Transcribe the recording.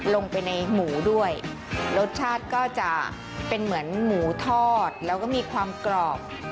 ลงไปในหมูด้วยรสชาติก็จะเป็นเหมือนหมูทอดแล้วก็มีความกรอบ